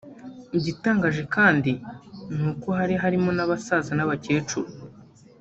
Igitangaje kandi ni uko hari harimo n’abasaza n’abakecuru